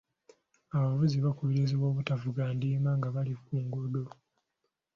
Abavuzi bakubirizibwa obutavuga ndiima nga bali ku luguudo.